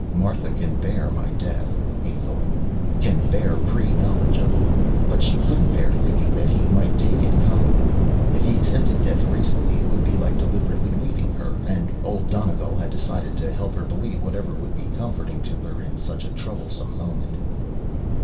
Martha can bear my death, he thought, can bear pre knowledge of it. But she couldn't bear thinking that he might take it calmly. If he accepted death gracefully, it would be like deliberately leaving her, and Old Donegal had decided to help her believe whatever would be comforting to her in such a troublesome moment.